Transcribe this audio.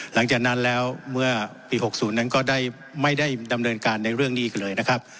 หลังจากนั้นแล้วเมื่อปี๖๐นั้นก็ได้ไม่ได้ดำเนินการในเรื่องนี้กันเลยนะครับ